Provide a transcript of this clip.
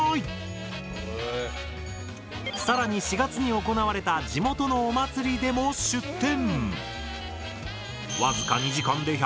更に４月に行われた地元のお祭りでも出店。